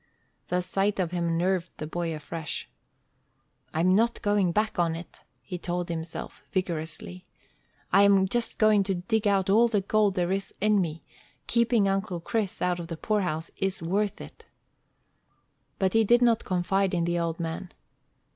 The sight of him nerved the boy afresh. "I am not going back on it," he told himself, vigorously. "I am just going to dig out all the gold there is in me. Keeping Uncle Chris out of the poorhouse is worth it." But he did not confide in the old man.